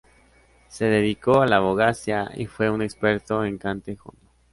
Se dedicó la abogacía y fue un experto en cante jondo.